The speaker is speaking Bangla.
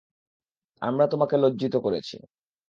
আমরা তোমাকে লজ্জিত করেছি।